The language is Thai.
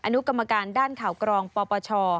อนุกรรมการด้านข่าวกรองปปช